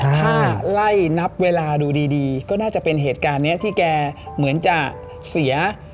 ถ้าไล่นับเวลาดูดีก็น่าจะเป็นเหตุการณ์นี้ที่แกเหมือนจะเสีย